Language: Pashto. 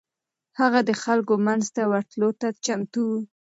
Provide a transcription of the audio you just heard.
هغه د خلکو منځ ته ورتلو ته چمتو و.